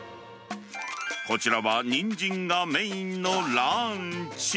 こちらはにんじんがメインのランチ。